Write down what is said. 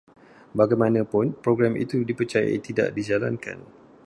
Bagaimanapun, program itu dipercayai tidak dijalankan